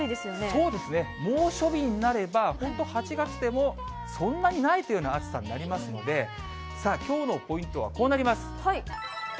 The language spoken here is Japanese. そうですよね、猛暑日になれば、本当、８月でも、そんなにないというような暑さになりますので、さあ、きょうのポイントはこうなります。